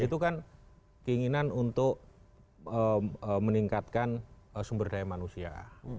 kemudian keinginan untuk meningkatkan sumber daya manusia